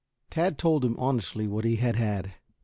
Tad told him honestly what he had had.